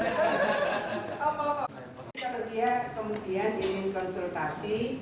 kalau dia kemudian ingin konsultasi